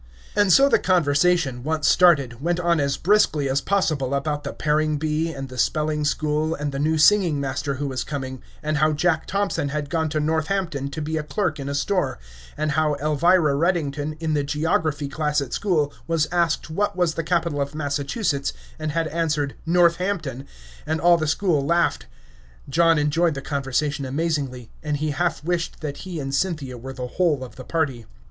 And so the conversation, once started, went on as briskly as possible about the paring bee, and the spelling school, and the new singing master who was coming, and how Jack Thompson had gone to Northampton to be a clerk in a store, and how Elvira Reddington, in the geography class at school, was asked what was the capital of Massachusetts, and had answered "Northampton," and all the school laughed. John enjoyed the conversation amazingly, and he half wished that he and Cynthia were the whole of the party.